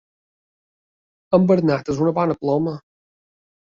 El Bernat és una bona ploma.